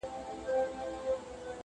له پاڼو تشه ده ویجاړه ونه!.